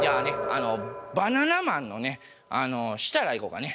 あのバナナマンのね設楽いこうかね。